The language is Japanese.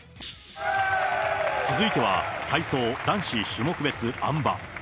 続いては、体操男子種目別あん馬。